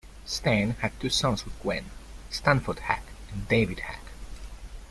Stan had two sons with Gwen: Stanford Hack and David Hack.